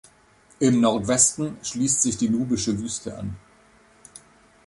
Im Nordwesten schließt sich die Nubische Wüste an.